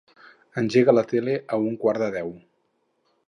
Engega la tele a un quart de deu.